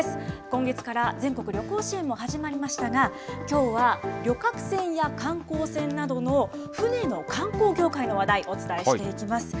今月から全国旅行支援も始まりましたが、きょうは、旅客船や観光船などの船の観光業界の話題、お伝えしていきます。